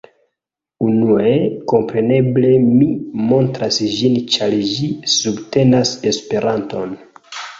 Unue, kompreneble mi montras ĝin ĉar ĝi subtenas Esperanton